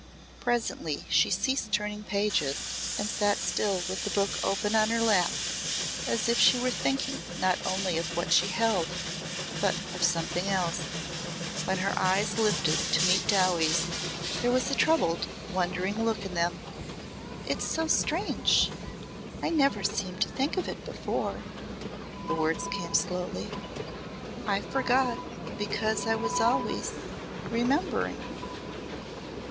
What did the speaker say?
Presently she ceased turning pages and sat still with the book open on her lap as if she were thinking not only of what she held but of something else. When her eyes lifted to meet Dowie's there was a troubled wondering look in them. "It's so strange I never seemed to think of it before," the words came slowly. "I forgot because I was always remembering."